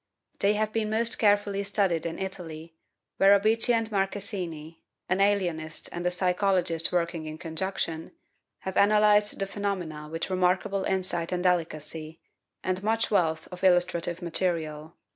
They have been most carefully studied in Italy, where Obici and Marchesini an alienist and a psychologist working in conjunction have analyzed the phenomena with remarkable insight and delicacy and much wealth of illustrative material.